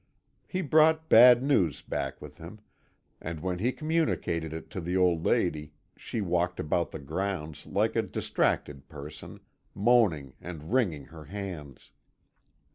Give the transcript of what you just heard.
He brought bad news back with him, and when he communicated it to the old lady she walked about the grounds like a distracted person, moaning and wringing her hands.